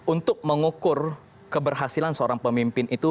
untuk mengukur keberhasilan seorang pemimpin itu